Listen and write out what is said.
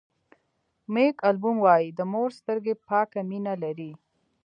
مېک البوم وایي د مور سترګې پاکه مینه لري.